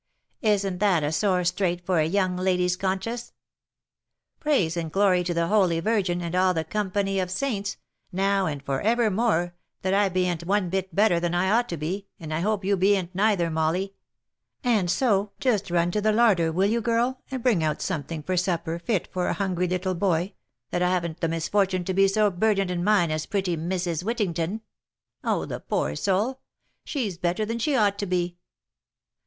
Isn't that a sore strait for a young lady's conscious ?— Praise OF MICHAEL ARMSTRONG. 31 and glory to the Holy Virgin, and all the company of saints, now and for ever more, that I beant one bit better than I ought to be, and I hope you beant neither, Molly ; and so just run to the larder, will you, girl, and bring out something for supper, fit for a hungry little boy, that havn't the misfortune to be so burdened in mind as pretty Mrs. Wittington. — Oh ! the poor soul ! she's better than she ought to be